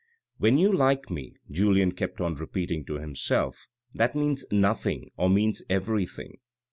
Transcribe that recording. " When you like me," Julien kept on repeating to himself, " that means nothing or means everything.